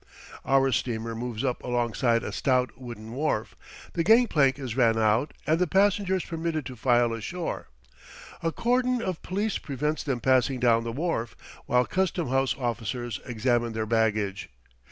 Our steamer moves up alongside a stout wooden wharf, the gang plank is ran out, and the passengers permitted to file ashore. A cordon of police prevents them passing down the wharf, while custom house officers examine their baggage.